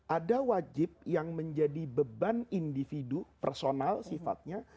ada wajib yang menjadi beban individu personal sifatnya